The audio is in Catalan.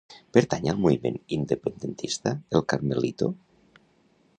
Pertany al moviment independentista el Carmelito?